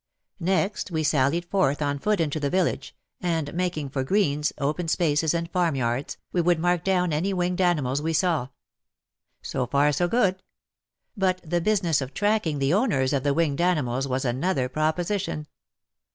Next we sallied forth on foot into the village, and, making for greens, open spaces and farmyards, we would mark down any winged animals we saw. So far so good. But the business of tracking the owners of the winged animals was another proposition.